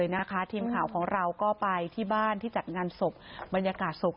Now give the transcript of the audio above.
เลยนะคะทีมของเราก็ไปที่บ้านที่จัดงานศพบรรยากาศโกรษข้าวค่ะ